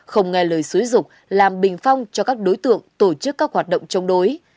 không nghe lời xúi dục làm bình phong cho các đối tượng tổ chức các hoạt động chống đối